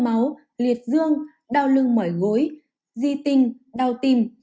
đông trùng hạn thảo có tác dụng đau lưng mỏi gối di tinh đau tim